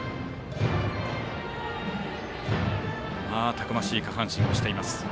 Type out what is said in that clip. たくましい下半身をしています。